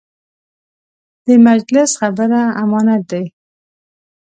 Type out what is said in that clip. د مجلس خبره امانت دی.